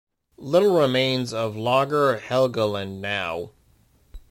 Little remains of Lager Helgoland now.